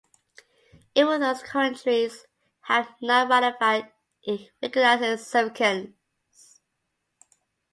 Even those countries who have not ratified it recognize its significance.